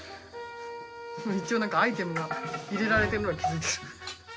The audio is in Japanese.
一応何かアイテムが入れられてるのは気付いてる。